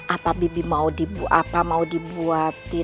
apa bibi mau dibuatin